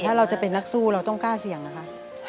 ถ้าเราจะเป็นนักสู้เราต้องกล้าเสี่ยงนะคะ